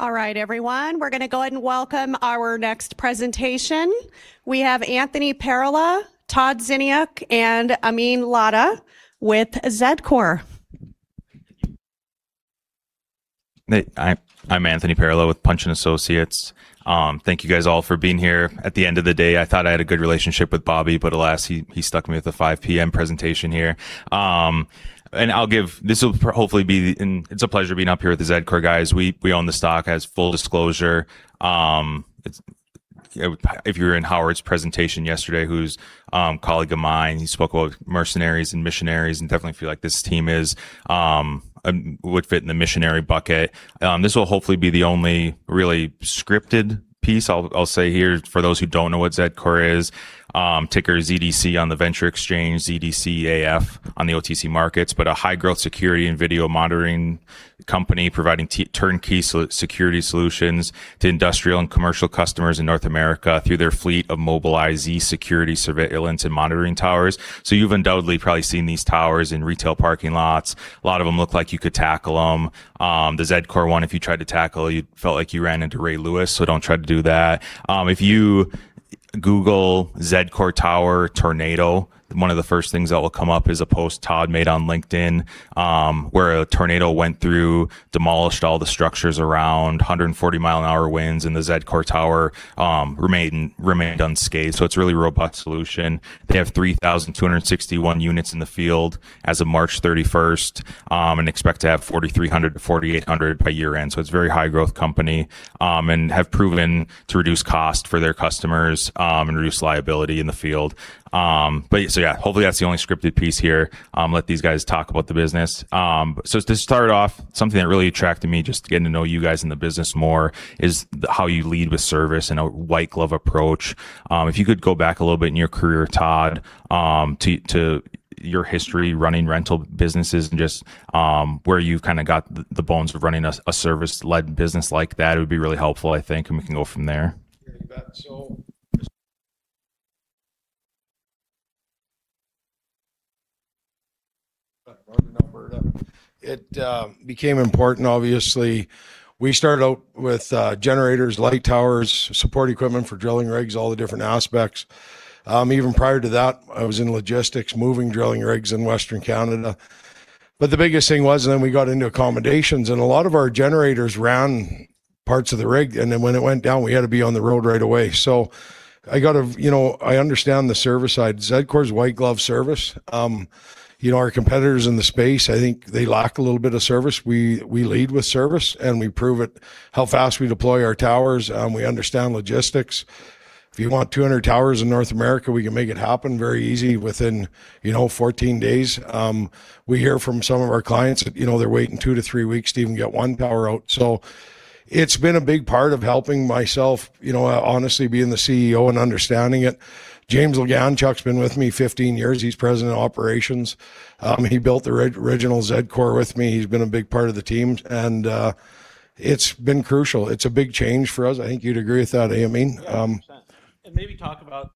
All right, everyone. We're going to go ahead and welcome our next presentation. We have Anthony Perala, Todd Ziniuk, and Amin Ladha with Zedcor. Hey, I'm Anthony Perala with Punch & Associates. Thank you, guys, all for being here. At the end of the day, I thought I had a good relationship with Bobby, but alas, he stuck me with the 5:00 P.M. presentation here. It's a pleasure being up here with the Zedcor guys. We own the stock, as full disclosure. If you were in Howard's presentation yesterday, who's a colleague of mine, he spoke about mercenaries and missionaries. Definitely feel like this team would fit in the missionary bucket. This will hopefully be the only really scripted piece. I'll say here, for those who don't know what Zedcor is, ticker ZDC on the Venture Exchange, ZDCAF on the OTC markets, but a high-growth security and video monitoring company providing turnkey security solutions to industrial and commercial customers in North America through their fleet of MobileyeZ security surveillance and monitoring towers. You've undoubtedly probably seen these towers in retail parking lots. A lot of them look like you could tackle them. The Zedcor one, if you tried to tackle, you'd feel like you ran into Ray Lewis, so don't try to do that. If you Google Zedcor tower tornado, one of the first things that will come up is a post Todd made on LinkedIn, where a tornado went through, demolished all the structures around, 140 mph winds, the Zedcor tower remained unscathed. It's a really robust solution. They have 3,261 units in the field as of March 31st. Expect to have 4,300-4,800 by year-end. It's a very high-growth company. Have proven to reduce cost for their customers. Reduce liability in the field. Yeah, hopefully that's the only scripted piece here. Let these guys talk about the business. To start off, something that really attracted me, just getting to know you guys in the business more, is how you lead with service and a white glove approach. If you could go back a little bit in your career, Todd, to your history running rental businesses. Just where you've kind of got the bones of running a service-led business like that, it would be really helpful, I think. We can go from there. You bet. It became important, obviously. We started out with generators, light towers, support equipment for drilling rigs, all the different aspects. Even prior to that, I was in logistics, moving drilling rigs in Western Canada. The biggest thing was then we got into accommodations, and a lot of our generators ran parts of the rig, and then when it went down, we had to be on the road right away. I understand the service side. Zedcor's white glove service. Our competitors in the space, I think they lack a little bit of service. We lead with service, and we prove it how fast we deploy our towers. We understand logistics. If you want 200 towers in North America, we can make it happen very easy within 14 days. We hear from some of our clients that they're waiting two to three weeks to even get one tower out. It's been a big part of helping myself, honestly, being the CEO and understanding it. James Leganchuk's been with me 15 years. He's President of Operations. He built the original Zedcor with me. He's been a big part of the team, and it's been crucial. It's a big change for us. I think you'd agree with that, Amin. Yeah, 100%. Maybe talk about,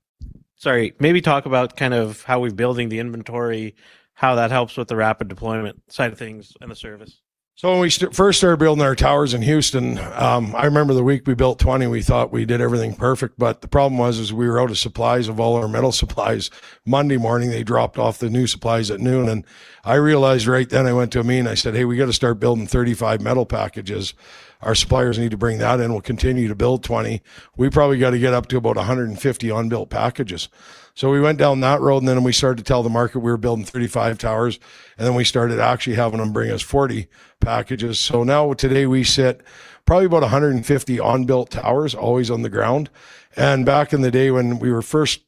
sorry, maybe talk about kind of how we're building the inventory, how that helps with the rapid deployment side of things and the service. When we first started building our towers in Houston, I remember the week we built 20, we thought we did everything perfect, but the problem was is we were out of supplies of all our metal supplies Monday morning, they dropped off the new supplies at noon. I realized right then, I went to Amin, I said, "Hey, we got to start building 35 metal packages. Our suppliers need to bring that in. We'll continue to build 20. We probably got to get up to about 150 unbuilt packages." We went down that road, then we started to tell the market we were building 35 towers, then we started actually having them bring us 40 packages. Now today, we sit probably about 150 unbuilt towers, always on the ground. Back in the day when we were first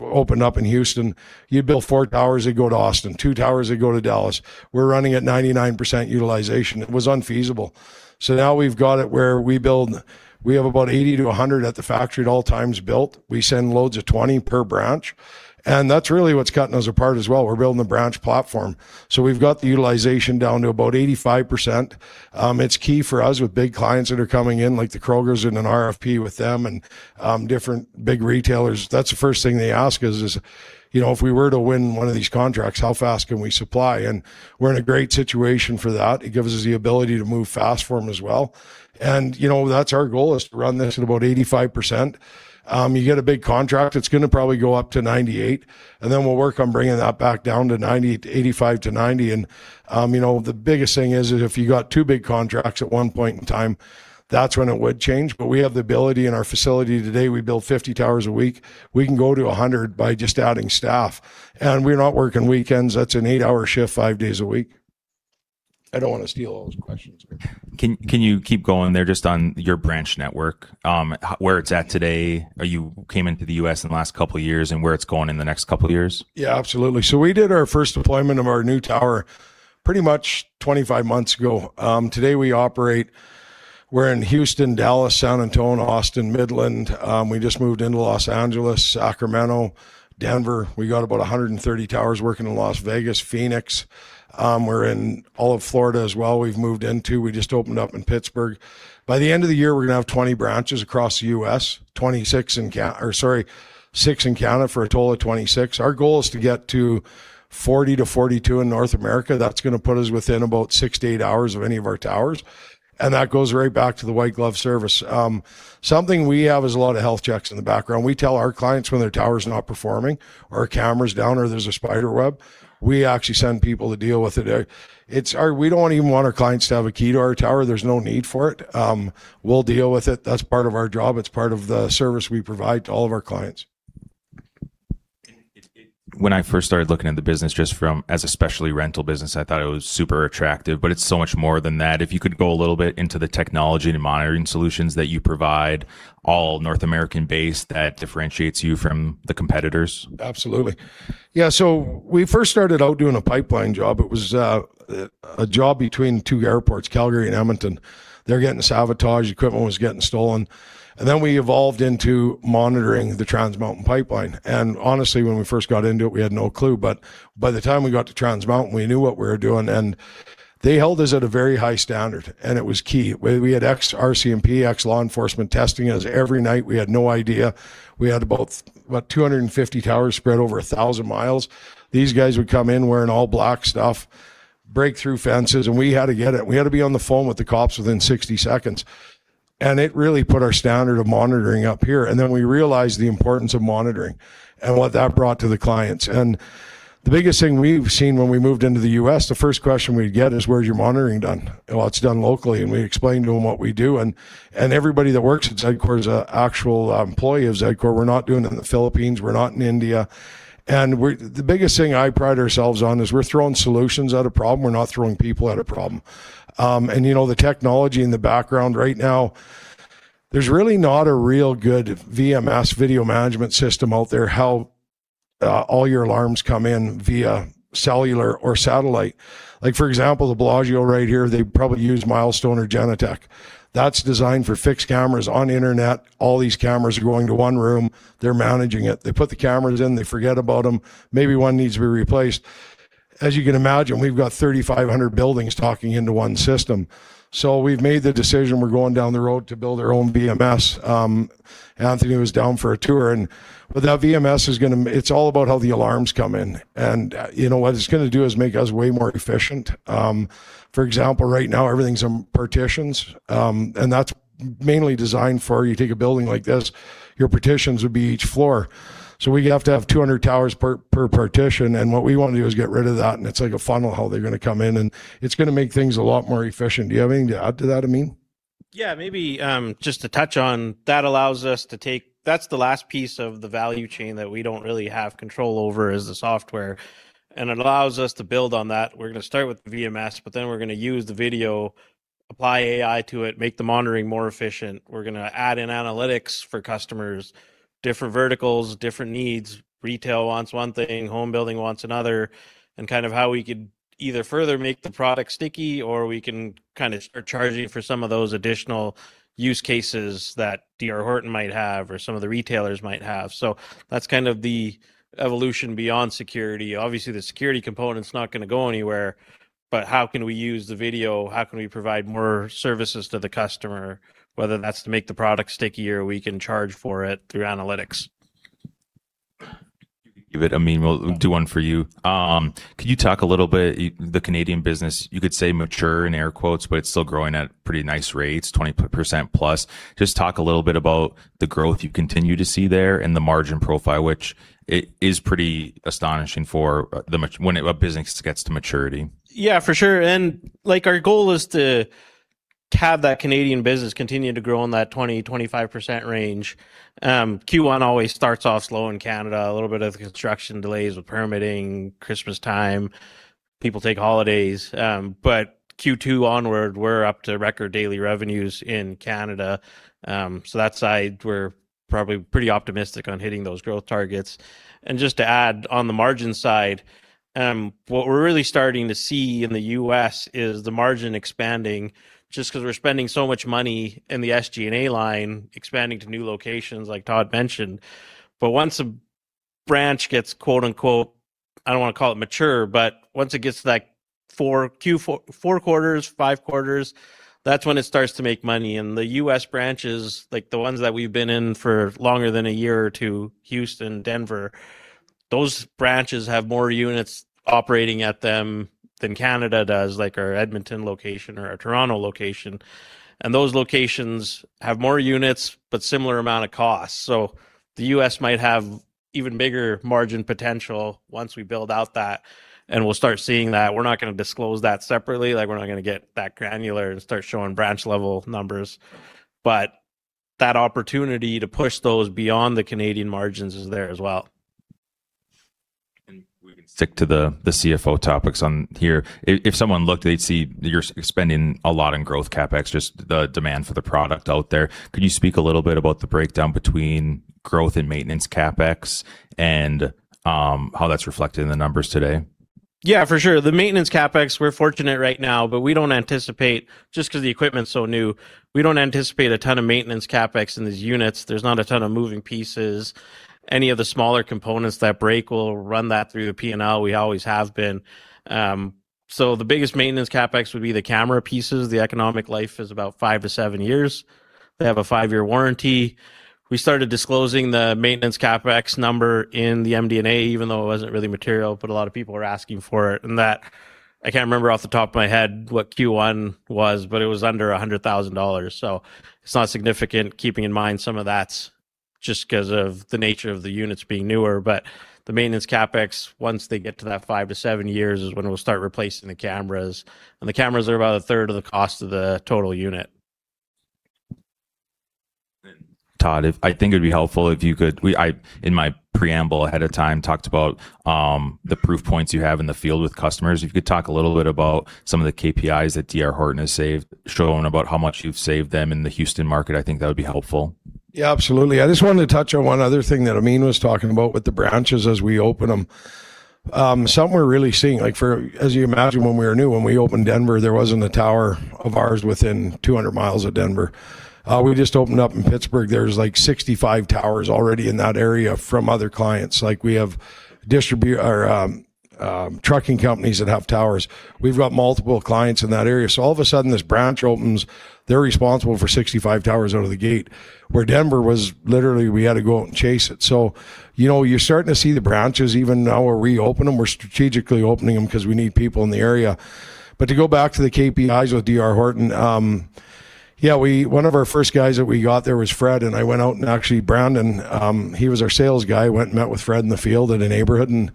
opened up in Houston, you'd build four towers, they'd go to Austin, two towers, they'd go to Dallas. We're running at 99% utilization. It was unfeasible. Now, we've got it where we build, we have about 80-100 at the factory at all times built. We send loads of 20 per branch, and that's really what's cutting us apart as well. We're building a branch platform. We've got the utilization down to about 85%. It's key for us with big clients that are coming in, like the Krogers and an RFP with them, and different big retailers. That's the first thing they ask is, "If we were to win one of these contracts, how fast can we supply?" We're in a great situation for that. It gives us the ability to move fast for them as well. That's our goal, is to run this at about 85%. You get a big contract, it's going to probably go up to 98%, and then we'll work on bringing that back down to 85%-90%. The biggest thing is that if you got two big contracts at one point in time, that's when it would change. We have the ability in our facility today; we build 50 towers a week. We can go to 100 by just adding staff. We're not working weekends. That's an eight-hour shift, five days a week. I don't want to steal all his questions. Can you keep going there just on your branch network, where it's at today? You came into the U.S. in the last couple of years, and where it's going in the next couple of years. Absolutely. We did our first deployment of our new tower pretty much 25 months ago. Today, we operate, we're in Houston, Dallas, San Antonio, Austin, Midland. We just moved into Los Angeles, Sacramento, Denver. We got about 130 towers working in Las Vegas, Phoenix. We're in all of Florida as well. We've moved into, we just opened up in Pittsburgh. By the end of the year, we're going to have 20 branches across the U.S., 26 in, oh sorry, six in Canada for a total of 26. Our goal is to get to 40-42 in North America. That's going to put us within about six to eight hours of any of our towers, and that goes right back to the white glove service. Something we have is a lot of health checks in the background. We tell our clients when their tower's not performing, or a camera's down, or there's a spider web. We actually send people to deal with it. We don't even want our clients to have a key to our tower. There's no need for it. We'll deal with it. That's part of our job. It's part of the service we provide to all of our clients. When I first started looking at the business, just from as a specialty rental business, I thought it was super attractive, but it's so much more than that. If you could go a little bit into the technology, the monitoring solutions that you provide, all North American-based, that differentiates you from the competitors. Absolutely. We first started out doing a pipeline job. It was a job between two airports, Calgary and Edmonton. They were getting sabotaged, equipment was getting stolen, and then we evolved into monitoring the Trans Mountain pipeline. Honestly, when we first got into it, we had no clue. But by the time we got to Trans Mountain, we knew what we were doing, and they held us at a very high standard, and it was key. We had ex-RCMP, ex-law enforcement testing us every night. We had no idea. We had about 250 towers spread over 1,000 mi. These guys would come in wearing all black stuff, break through fences, and we had to get it. We had to be on the phone with the cops within 60 seconds, and it really put our standard of monitoring up here. Then, we realized the importance of monitoring and what that brought to the clients. The biggest thing we've seen when we moved into the U.S., the first question we get is: Where's your monitoring done? Well, it's done locally, and we explain to them what we do, and everybody that works at Zedcor is an actual employee of Zedcor. We're not doing it in the Philippines. We're not in India. The biggest thing I pride ourselves on is we're throwing solutions at a problem; we're not throwing people at a problem. And you know, the technology in the background right now, there's really not a real good VMS, video management system, out there, how all your alarms come in via cellular or satellite. Like for example, the Bellagio right here, they probably use Milestone or Genetec. That's designed for fixed cameras on the internet. All these cameras are going to one room. They're managing it. They put the cameras in, they forget about them. Maybe one needs to be replaced. As you can imagine, we've got 3,500 buildings talking into one system. We've made the decision we're going down the road to build our own VMS. Anthony was down for a tour. With that VMS, it's all about how the alarms come in. What it's going to do is make us way more efficient. For example, right now, everything's in partitions. That's mainly designed for, you take a building like this, your partitions would be each floor. We have to have 200 towers per partition. What we want to do is get rid of that, and it's like a funnel how they're going to come in, and it's going to make things a lot more efficient. Do you have anything to add to that, Amin? Yeah, maybe, just to touch on, that allows us to take, that's the last piece of the value chain that we don't really have control over is the software. It allows us to build on that. We're going to start with the VMS, but then we're going to use the video, apply AI to it, make the monitoring more efficient. We're going to add in analytics for customers, different verticals, different needs. Retail wants one thing, and home building wants another, and kind of how we could either further make the product sticky, or we can kind of start charging for some of those additional use cases that D.R. Horton might have or some of the retailers might have. That's kind of the evolution beyond security. Obviously, the security component's not going to go anywhere, but how can we use the video? How can we provide more services to the customer, whether that's to make the product stickier, or we can charge for it through analytics. Give it, Amin. We'll do one for you. Could you talk a little bit, the Canadian business, you could say mature in air quotes, but it's still growing at pretty nice rates, 20%+. Just talk a little bit about the growth you continue to see there and the margin profile, which is pretty astonishing for when a business gets to maturity. Yeah, for sure. Our goal is to have that Canadian business continue to grow in that 20%-25% range. Q1 always starts off slow in Canada, a little bit of construction delays with permitting, Christmas time, people take holidays. But Q2 onward, we're up to record daily revenues in Canada. That side, we're probably pretty optimistic on hitting those growth targets. Just to add on the margin side, what we're really starting to see in the U.S. is the margin expanding just because we're spending so much money in the SG&A line expanding to new locations, like Todd mentioned. Once a branch gets, quote unquote, I don't want to call it mature, but once it gets to that four quarters, five quarters, that's when it starts to make money, and the U.S. branches, like the ones that we've been in for longer than a year or two, Houston, Denver, those branches have more units operating at them than Canada does, like our Edmonton location or our Toronto location. Those locations have more units but similar amount of costs. The U.S. might have even bigger margin potential once we build out that, and we'll start seeing that. We're not going to disclose that separately. We're not going to get that granular and start showing branch-level numbers, but that opportunity to push those beyond the Canadian margins is there as well. We can stick to the CFO topics on here. If someone looked, they'd see that you're spending a lot on growth CapEx, just the demand for the product out there. Could you speak a little bit about the breakdown between growth and maintenance CapEx and how that's reflected in the numbers today? Yeah, for sure. The maintenance CapEx, we're fortunate right now, but we don't anticipate, just because the equipment's so new, we don't anticipate a ton of maintenance CapEx in these units. There's not a ton of moving pieces. Any of the smaller components that break, we'll run that through the P&L. We always have been. The biggest maintenance CapEx would be the camera pieces. The economic life is about five to seven years. They have a five-year warranty. We started disclosing the maintenance CapEx number in the MD&A, even though it wasn't really material, but a lot of people were asking for it. That, I can't remember off the top of my head what Q1 was, but it was under 100,000 dollars. It's not significant, keeping in mind some of that's just because of the nature of the units being newer. The maintenance CapEx, once they get to that five to seven years, is when we'll start replacing the cameras. The cameras are about 1/3 of the cost of the total unit. Todd, I think it'd be helpful if you could, we, in my preamble ahead of time, talked about the proof points you have in the field with customers. If you could talk a little bit about some of the KPIs that D.R. Horton has saved, shown about how much you've saved them in the Houston market, I think that would be helpful. Yeah, absolutely. I just wanted to touch on one other thing that Amin was talking about with the branches as we open them. Some we're really seeing, as you imagine, when we were new, when we opened Denver, there wasn't a tower of ours within 200 mi of Denver. We just opened up in Pittsburgh. There's like 65 towers already in that area from other clients. Like, we have trucking companies that have towers. We've got multiple clients in that area. All of a sudden, this branch opens, they're responsible for 65 towers out of the gate. Where Denver was literally, we had to go out and chase it. You're starting to see the branches even now where we open them. We're strategically opening them because we need people in the area. To go back to the KPIs with D.R. Horton, yeah, one of our first guys that we got there was Fred, and I went out and actually, Brandon, he was our sales guy, went and met with Fred in the field in a neighborhood, and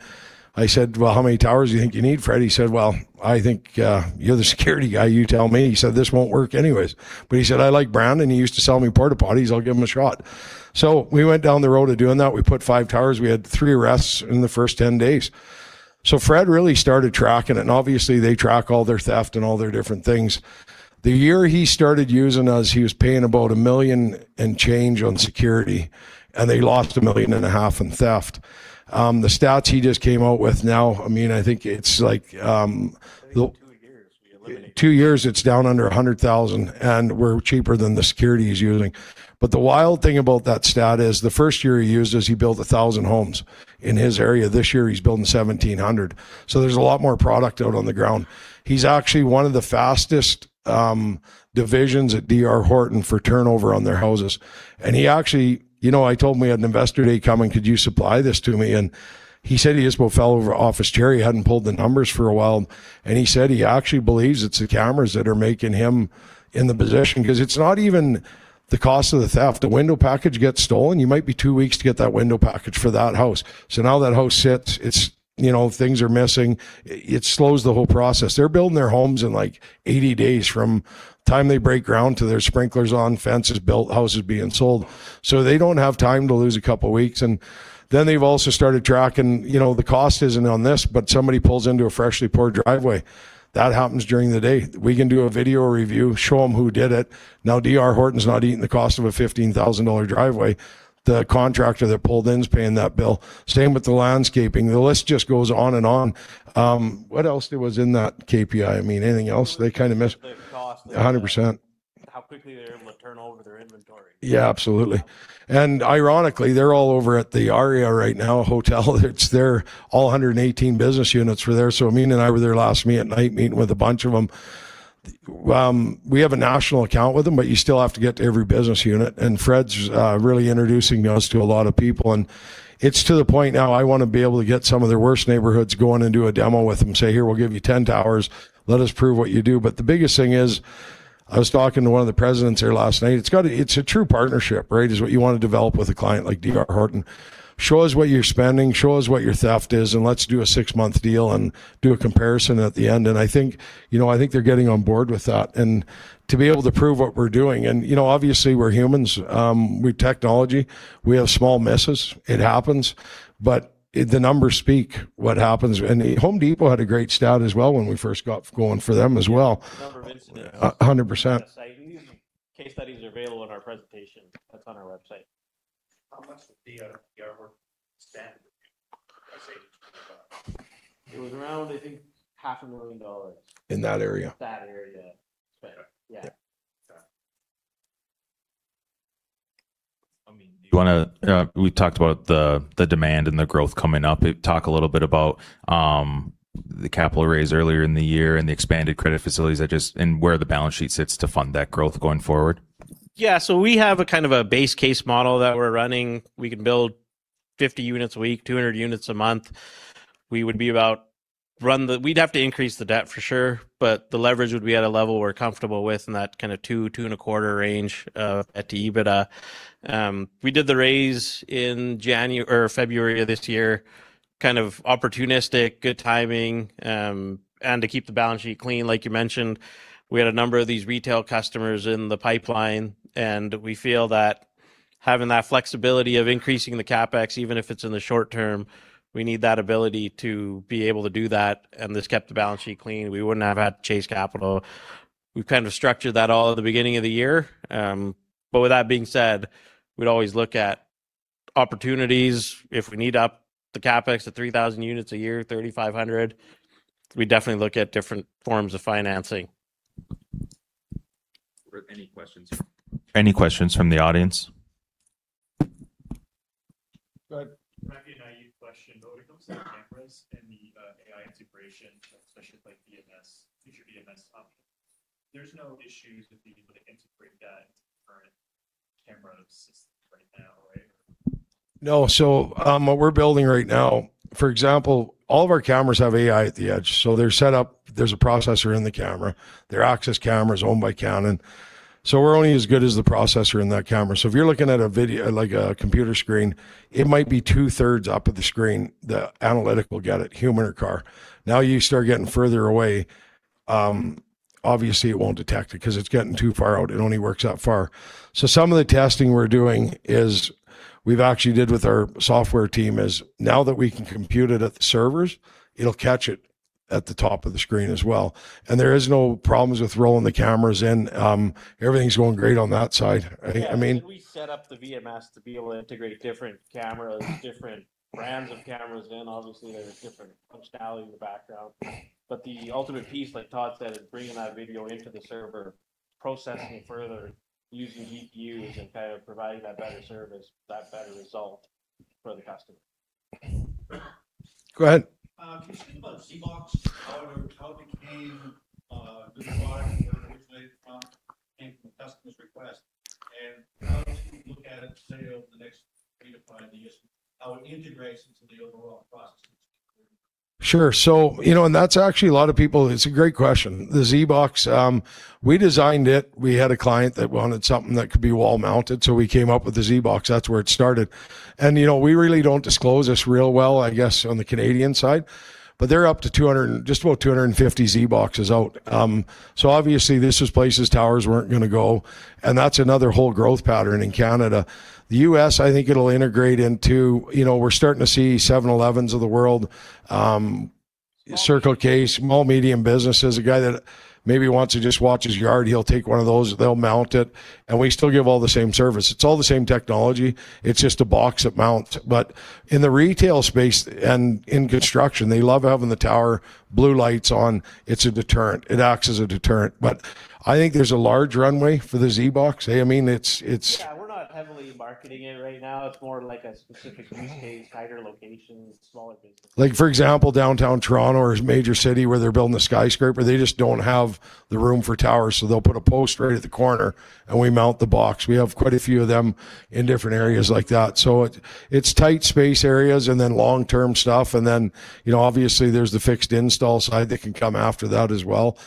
I said, "How many towers do you think you need, Fred?" He said, "Well, I think you're the security guy. You tell me." He said, "This won't work anyways." He said, "I like Brandon. He used to sell me porta potties. I'll give him a shot." We went down the road of doing that. We put five towers. We had three arrests in the first 10 days. Fred really started tracking it, and obviously, they track all their theft and all their different things. The year he started using us, he was paying about 1 million and change on security, and they lost 1.5 million in theft. The stats he just came out with now, Amin, I think it's like. I think two years we eliminated. Two years it's down under 100,000, and we're cheaper than the security he's using. The wild thing about that stat is the first year he used us, he built 1,000 homes in his area. This year, he's building 1,700. There's a lot more product out on the ground. He's actually one of the fastest divisions at D.R. Horton for turnover on their houses. He actually, you know, I told him we had an Investor Day coming, "Could you supply this to me?" And he said he just about fell over office chair. He hadn't pulled the numbers for a while, and he said he actually believes it's the cameras that are making him in the position, because it's not even the cost of the theft. The window package gets stolen; you might be two weeks to get that window package for that house. Now that house sits, things are missing. It slows the whole process. They're building their homes in like 80 days from time they break ground to their sprinklers on, fences built, houses being sold. They don't have time to lose a couple weeks. They've also started tracking, the cost isn't on this, but somebody pulls into a freshly poured driveway. That happens during the day. We can do a video review, show them who did it. Now, D.R. Horton's not eating the cost of a 15,000 dollar driveway. The contractor that pulled in is paying that bill. Same with the landscaping. The list just goes on and on. What else there was in that KPI, Amin? Anything else? They kind of missed. The cost of. 100%. How quickly they're able to turn over their inventory. Yeah, absolutely. Ironically, they're all over at the ARIA right now, hotel. They're all 118 business units were there. Amin and I were there last night meeting with a bunch of them. We have a national account with them, but you still have to get to every business unit. Fred's really introducing us to a lot of people. It's to the point now I want to be able to get some of their worst neighborhoods, go in and do a demo with them, say, "Here, we'll give you 10 towers. Let us prove what you do." The biggest thing is, I was talking to one of the presidents there last night. It's a true partnership, right? Is what you want to develop with a client like D.R. Horton. Show us what you're spending, show us what your theft is, and let's do a six-month deal and do a comparison at the end. I think they're getting on board with that. To be able to prove what we're doing. Obviously, we're humans. We're technology. We have small misses. It happens. But the numbers speak what happens. Home Depot had a great stat as well when we first got going for them as well. Number of incidents. 100%. At sightings. Case studies are available in our presentation that's on our website. How much did D.R. Horton spend on site improvement? It was around, I think, $500,000. In that area. That area. Okay. Yeah. Okay. Amin, do you want to, we talked about the demand and the growth coming up. Talk a little bit about the capital raise earlier in the year and the expanded credit facilities and just, and where the balance sheet sits to fund that growth going forward. Yeah. We have a kind of a base case model that we're running. We can build 50 units a week, 200 units a month. We'd have to increase the debt for sure, but the leverage would be at a level we're comfortable with in that kind of 2x-2.25x range at the EBITDA. We did the raise in January, February of this year, kind of opportunistic, good timing, and to keep the balance sheet clean, like you mentioned. We had a number of these retail customers in the pipeline, and we feel that having that flexibility of increasing the CapEx, even if it's in the short term, we need that ability to be able to do that, and this kept the balance sheet clean. We wouldn't have had to chase capital. We've kind of structured that all at the beginning of the year. With that being said, we'd always look at opportunities. If we need up the CapEx to 3,000 units a year, 3,500, we definitely look at different forms of financing. Any questions from the audience? Go ahead. It might be a naive question, when it comes to the cameras and the AI integration, especially with future VMS options. There's no issues with being able to integrate that into current camera systems right now, right? No. What we're building right now, for example, all of our cameras have AI at the edge. They're set up, there's a processor in the camera. They're Axis cameras, owned by Canon. We're only as good as the processor in that camera. If you're looking at a video, like a computer screen, it might be 2/3 up of the screen, the analytic will get it, human or car. Now, you start getting further away, obviously, it won't detect it because it's getting too far out. It only works out far. Some of the testing we're doing is, we've actually did with our software team is, now that we can compute it at the servers, it'll catch it at the top of the screen as well. There is no problems with rolling the cameras in. Everything's going great on that side. I think, Amin. Yeah. We set up the VMS to be able to integrate different cameras, different brands of cameras in. Obviously, there's different functionality in the background. The ultimate piece, like Todd said, is bringing that video into the server, processing it further using GPUs, and providing that better service, that better result for the customer. Go ahead. Can you speak about ZBox? The product originally came from a customer's request, and how do you look at it, say, over the next three to five years, how it integrates into the overall processes? Sure. It's a great question. The ZBox, we designed it, we had a client that wanted something that could be wall-mounted, so we came up with the ZBox. That's where it started. We really don't disclose this real well, I guess, on the Canadian side, but they're up to just about 250 ZBoxes out. Obviously, this was places towers weren't going to go, and that's another whole growth pattern in Canada. The U.S., I think it'll integrate into, you know, we're starting to see 7-Elevens of the world, Circle K, small, medium businesses. A guy that maybe wants to just watch his yard, he'll take one of those, they'll mount it, and we still give all the same service. It's all the same technology. It's just a box that mounts. In the retail space and in construction, they love having the tower blue lights on. It's a deterrent. It acts as a deterrent. I think there's a large runway for the ZBox. I mean, it's, it's. Yeah. We're not heavily marketing it right now. It's more like a specific use case, tighter locations, smaller businesses. For example, downtown Toronto or a major city where they're building a skyscraper, they just don't have the room for towers, so they'll put a post right at the corner and we mount the box. We have quite a few of them in different areas like that. It's tight space areas, and then long-term stuff, and then, obviously, there's the fixed install side that can come after that as well.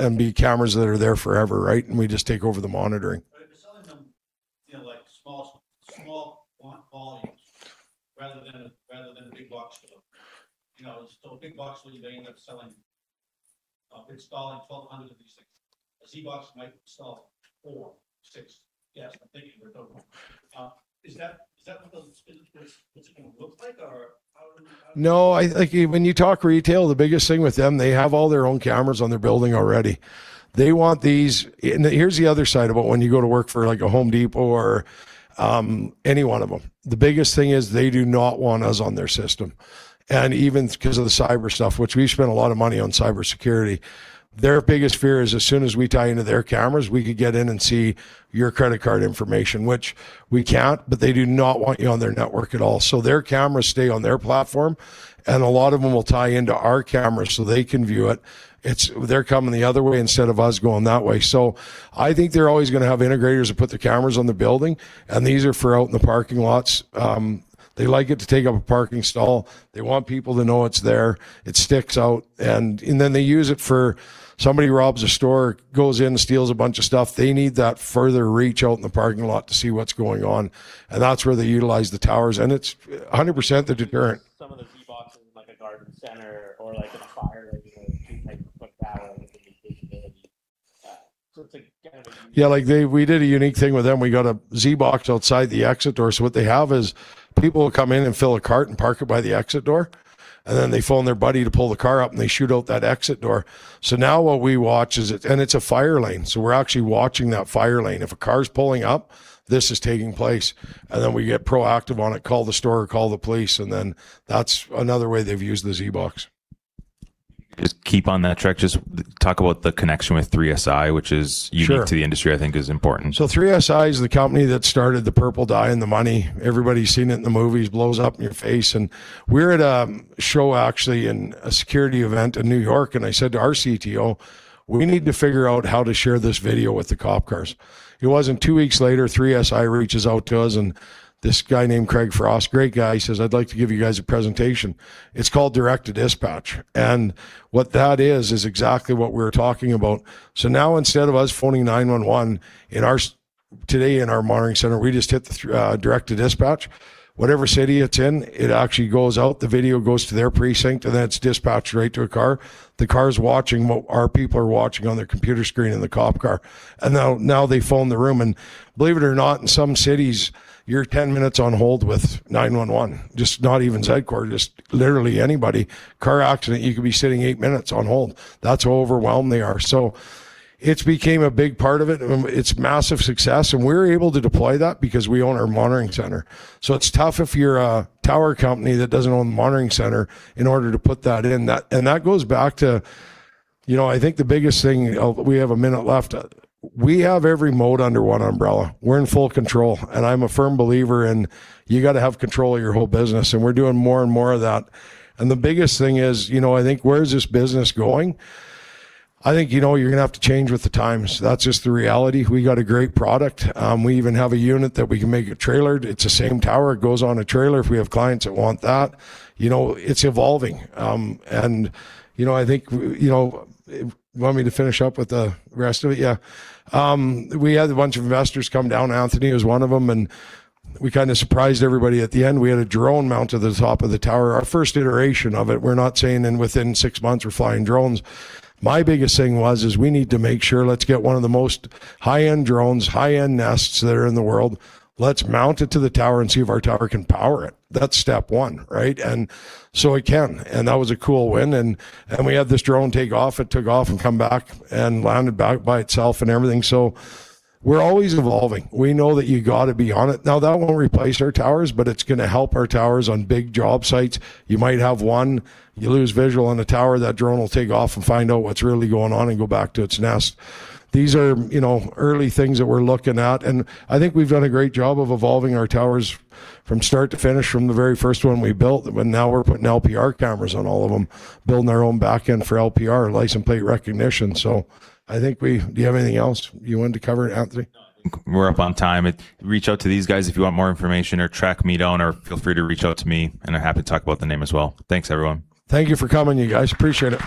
I mean, cameras that are there forever, right? We just take over the monitoring. If you're selling them, you know, like small volumes rather than a big box store. A big box store, you may end up installing 1,200 of these things. A ZBox might install four or six. Yeah, I'm thinking retail. Is that what the physical looks like, or how do you? No. When you talk retail, the biggest thing with them, they have all their own cameras on their building already. They want these. Here's the other side of it when you go to work for a The Home Depot or any one of them. The biggest thing is they do not want us on their system. Even because of the cyber stuff, which we spend a lot of money on cybersecurity, their biggest fear is as soon as we tie into their cameras, we could get in and see your credit card information, which we can't, but they do not want you on their network at all. Their cameras stay on their platform, and a lot of them will tie into our cameras so they can view it. They're coming the other way instead of us going that way. I think they're always going to have integrators that put the cameras on the building, and these are far out in the parking lots. They like it to take up a parking stall. They want people to know it's there. It sticks out. They use it for somebody robs a store, goes in, steals a bunch of stuff, they need that further reach out in the parking lot to see what's going on. That's where they utilize the towers. It's 100% the deterrent. Some of the ZBoxes in like a garden center or like a fire lane. Yeah, we did a unique thing with them. We got a ZBox outside the exit door. What they have is people will come in and fill a cart and park it by the exit door, and then they phone their buddy to pull the car up and they shoot out that exit door. Now, what we watch is, and it's a fire lane, so we're actually watching that fire lane. If a car's pulling up, this is taking place. We get proactive on it, call the store or call the police, and then that's another way they've used the ZBox. Just keep on that track. Just talk about the connection with 3SI, which is unique. Sure. To the industry, I think is important. 3SI is the company that started the purple dye in the money. Everybody's seen it in the movies, blows up in your face. We were at a show actually, in a security event in New York, and I said to our CTO, "We need to figure out how to share this video with the cop cars." It wasn't two weeks later, 3SI reaches out to us and this guy named Craig Frost, great guy, he says, "I'd like to give you guys a presentation." It's called DirectToDispatch. What that is, is exactly what we're talking about. Now, instead of us phoning 911, today, in our monitoring center, we just hit the DirectToDispatch. Whatever city it's in, it actually goes out, the video goes to their precinct, and then it's dispatched right to a car. The car's watching what our people are watching on their computer screen in the cop car. Now, they phone the room, and believe it or not, in some cities, you're 10 minutes on hold with 911. Just not even Zedcor, just literally anybody. Car accident, you could be sitting eight minutes on hold. That's how overwhelmed they are. It's became a big part of it, its massive success, and we're able to deploy that because we own our monitoring center. It's tough if you're a tower company that doesn't own the monitoring center in order to put that in. That goes back to, I think the biggest thing, we have a minute left, we have every mode under one umbrella. We're in full control, and I'm a firm believer in you got to have control of your whole business, and we're doing more and more of that. The biggest thing is, I think, where is this business going? I think you're going to have to change with the times. That's just the reality. We got a great product. We even have a unit that we can make it trailered. It's the same tower. It goes on a trailer if we have clients that want that. It's evolving. You want me to finish up with the rest of it? Yeah. We had a bunch of investors come down, Anthony was one of them, and we kind of surprised everybody at the end. We had a drone mounted to the top of the tower, our first iteration of it. We're not saying in within six months we're flying drones. My biggest thing was, is we need to make sure let's get one of the most high-end drones, high-end nests that are in the world. Let's mount it to the tower and see if our tower can power it. That's step one, right? It can, and that was a cool win, and we had this drone take off. It took off and come back and landed back by itself and everything. We're always evolving. We know that you got to be on it. That won't replace our towers, but it's going to help our towers on big job sites. You might have one, you lose visual on a tower, that drone will take off and find out what's really going on and go back to its nest. These are early things that we're looking at, and I think we've done a great job of evolving our towers from start to finish from the very first one we built, now we're putting LPR cameras on all of them, building our own backend for LPR, license plate recognition. I think we, do you have anything else you wanted to cover, Anthony? No, I think we're up on time. Reach out to these guys if you want more information or track me down or feel free to reach out to me, and I'm happy to talk about the name as well. Thanks, everyone. Thank you for coming, you guys. Appreciate it.